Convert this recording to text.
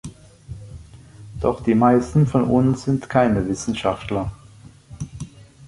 Doch die meisten von uns sind keine Wissenschaftler.